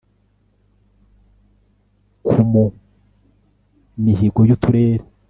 ku mu mihigo y uturere